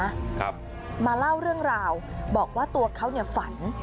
ครับมาเล่าเรื่องราวบอกว่าตัวเขาเนี่ยฝัน